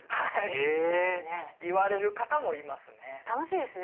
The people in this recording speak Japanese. へぇ言われる方もいますね。